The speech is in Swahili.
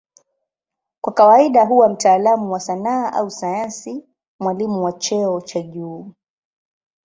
Kwa kawaida huwa mtaalamu wa sanaa au sayansi, mwalimu wa cheo cha juu.